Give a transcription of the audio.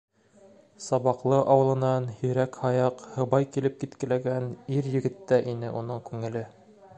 Сабаҡлы ауылынан һирәк-һаяҡ һыбай килеп-киткеләгән ир-егеттә ине уның күңеле.